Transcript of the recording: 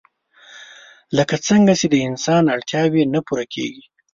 لکه څنګه چې د انسان اړتياوې نه پوره کيږي